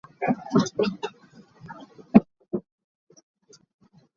They are now used as the Avon Causeway Hotel.